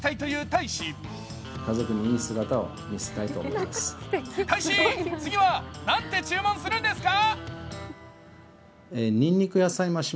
大使、次は何て注文するんですか？